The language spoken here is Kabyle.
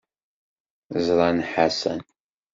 Ẓran Ḥasan.